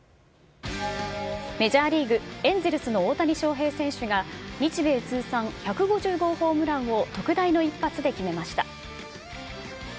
メジャーリーグ、エンゼルスの大谷翔平選手が、日米通算１５０号ホームランを特大の一発で決めました。